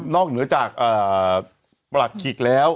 นอกเหนือจากประกิกแล้ว